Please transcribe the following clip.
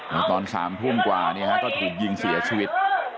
มาตอน๓ทุ่มกว่าเนี่ยฮะก็ถูกยิงเสียชีวิต